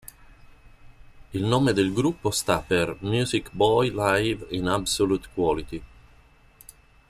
Il nome del gruppo sta per "Music Boys Live in Absolute Quality".